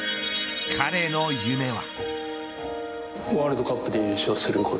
彼の夢は。